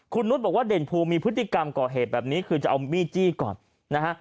คุณนุษย์บอกว่าเด่นภูมิมีพฤติกรรมก่อเหตุแบบนี้คือจะเอามีดจี้ก่อนนะฮะ